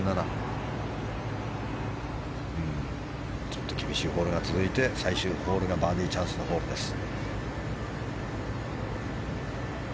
ちょっと厳しいホールが続いて最終ホールがバーディーチャンスのホールです。